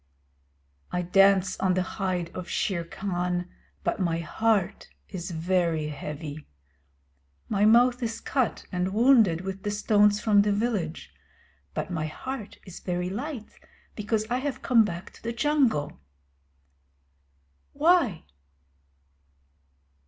I dance on the hide of Shere Khan, but my heart is very heavy. My mouth is cut and wounded with the stones from the village, but my heart is very light, because I have come back to the Jungle. Why?